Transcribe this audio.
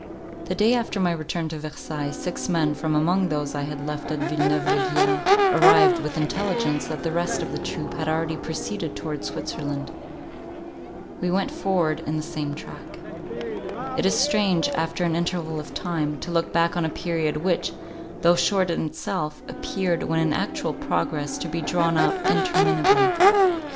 The day after my return to Versailles, six men, from among those I had left at Villeneuve la Guiard, arrived, with intelligence, that the rest of the troop had already proceeded towards Switzerland. We went forward in the same track. It is strange, after an interval of time, to look back on a period, which, though short in itself, appeared, when in actual progress, to be drawn out interminably.